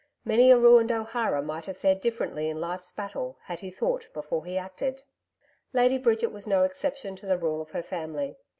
Many a ruined O'Hara might have fared differently in life's battle had he thought before he acted. Lady Bridget was no exception to the rule of her family.